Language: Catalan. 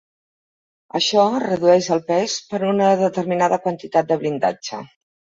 Això redueix el pes per a una determinada quantitat de blindatge.